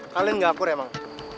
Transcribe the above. kalian gak akur emang